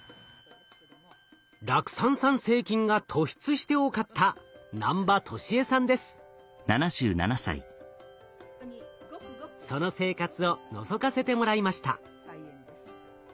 酪酸産生菌が突出して多かったその生活をのぞかせてもらいました。